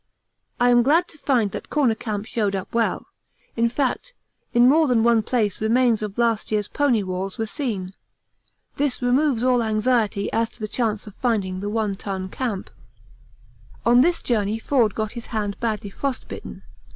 I am glad to find that Corner Camp showed up well; in fact, in more than one place remains of last year's pony walls were seen. This removes all anxiety as to the chance of finding the One Ton Camp. On this journey Forde got his hand badly frostbitten.